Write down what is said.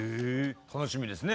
楽しみですね！